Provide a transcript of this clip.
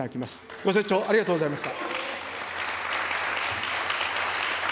ご清聴ありがとうございました。